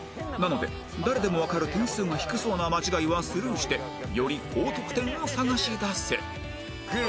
なので誰でもわかる点数が低そうな間違いはスルーしてより高得点を探し出せ